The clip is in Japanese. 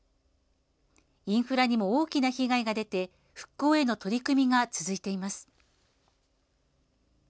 インフラにも大きな被害が出て復興への取り組みが続いています。